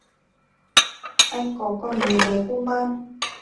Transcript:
Anh có còn nhớ bé kuman